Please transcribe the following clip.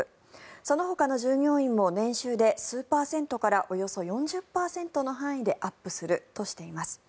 そのほかの従業員も年収で数パーセントからおよそ４０％の範囲でアップするとしています。